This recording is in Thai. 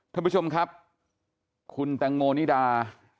ท่านผู้ชมครับคุณแตงโมนิดา